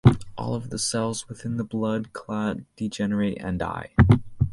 All of the cells within the blood clot degenerate and die.